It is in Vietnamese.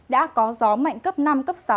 đã có gió mạnh cấp năm sáu